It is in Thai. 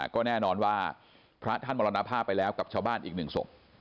ก็แน่นอนว่าพระท่านมรณภาพไปแล้วกับชาวบ้านอีกหนึ่งศพ